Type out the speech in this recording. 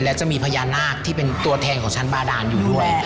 และจะมีพญานาคที่เป็นตัวแทนของชั้นบาดานอยู่ด้วย